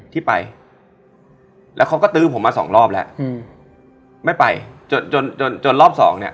ที่ไปแล้วเขาก็ตื้อผมมาสองรอบแล้วอืมไม่ไปจนจนจนจนจนรอบสองเนี้ย